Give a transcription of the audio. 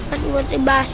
aku buat ribah